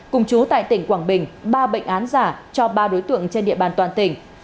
cùng chú tại tỉnh quảng bình ba bệnh án giả cho ba đối tượng trên địa bàn toàn tỉnh